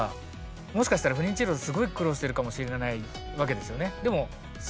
もしかしたら不妊治療すごい苦労してるかもしれないわけですよね。